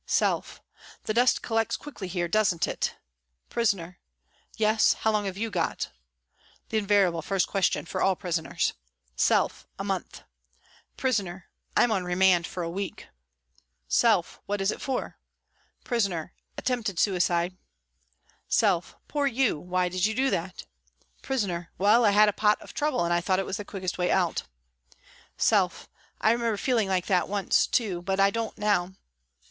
Self :" The dust collects quickly here, doesn't it ?" Prisoner :" Yes, how long have you got ?" (The invariable first question for all prisoners.) Self: "A month." Prisoner: " I'm on remand for a week." Self :" What is it f or ?" Prisoner :" Attempted suicide." Self :" Poor you. Why did you do that ?" Prisoner :" Well, I had a pot of trouble and I thought it was the quickest way out." Self :" I remember feeling like that too, once, but I don't now."